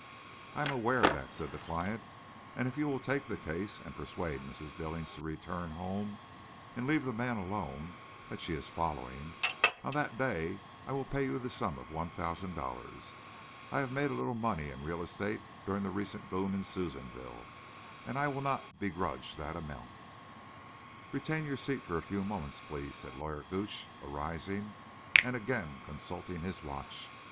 "I am aware of that," said the client, "and if you will take the case and persuade Mrs. Billings to return home and leave the man alone that she is following—on that day I will pay you the sum of one thousand dollars. I have made a little money in real estate during the recent boom in Susanville, and I will not begrudge that amount." "Retain your seat for a few moments, please," said Lawyer Gooch, arising, and again consulting his watch.